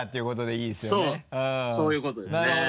そうですそういうことですね。